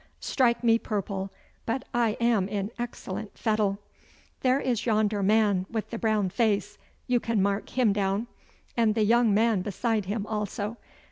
Strike me purple, but I am in excellent fettle! There is yonder man with the brown face, you can mark him down. And the young man beside him, also.